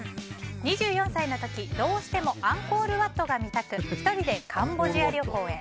２４歳の時どうしてもアンコールワットが見たく１人でカンボジア旅行へ。